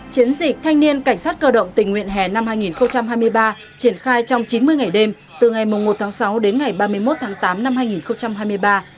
chiến dịch thanh niên cảnh sát cơ động tình nguyện hè năm hai nghìn hai mươi ba triển khai trong chín mươi ngày đêm từ ngày một tháng sáu đến ngày ba mươi một tháng tám năm hai nghìn hai mươi ba